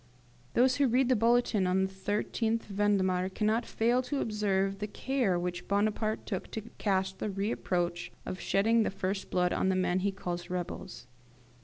Those who read the bulletin of the 13th Vendemiaire, cannot fail to observe the care which Bonaparte took to cast the reproach of shedding the first blood on the men he calls rebels.